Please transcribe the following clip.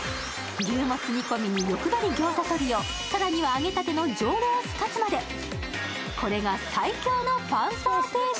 牛もつ煮込みに欲張り餃子トリオ、更には揚げたての上ロースかつまでこれが最強のパンサー定食。